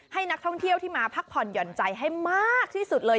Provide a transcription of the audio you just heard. ให้นักท่องเที่ยวที่มาพักผ่อนหย่อนใจให้มากที่สุดเลย